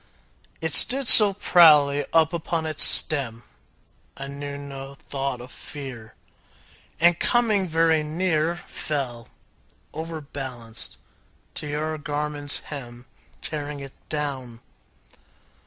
It stood so proudly up upon its stem, I knew no thought of fear, And coming very near Fell, overbalanced, to your garment's hem, Tearing it down.